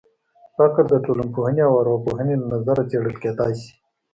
فقر د ټولنپوهنې او ارواپوهنې له نظره څېړل کېدای شي.